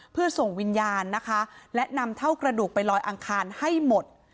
เพื่อส่งวิญญาณนะคะและนำเท่ากระดูกไปลอยอังคารให้หมด